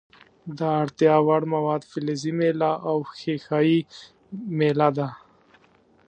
د اړتیا وړ مواد فلزي میله او ښيښه یي میله ده.